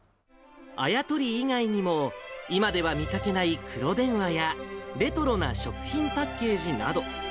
あや取り以外にも、今では見かけない黒電話や、レトロな食品パッケージなど。